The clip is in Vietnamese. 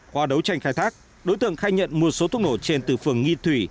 qua đấu tranh khai thác đối tượng khai nhận mua số thuốc nổ trên từ phường nghi thủy